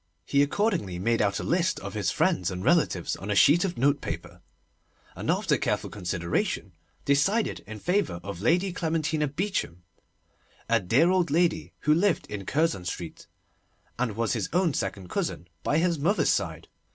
He accordingly made out a list of his friends and relatives on a sheet of notepaper, and after careful consideration, decided in favour of Lady Clementina Beauchamp, a dear old lady who lived in Curzon Street, and was his own second cousin by his mother's side.